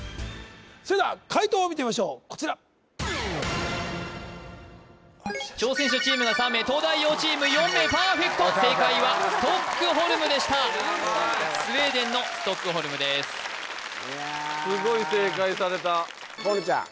それでは解答を見てみましょうこちら挑戦者チームが３名東大王チーム４名パーフェクト正解はストックホルムでしたスウェーデンのストックホルムですいやすごい正解された河野ちゃん